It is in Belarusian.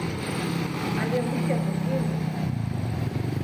Але мы яго вельмі любім.